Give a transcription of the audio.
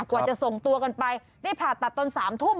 กว่าจะส่งตัวกันไปได้ผ่าตัดตอน๓ทุ่ม